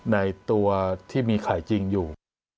ในตัวที่มีไข่จริงอยู่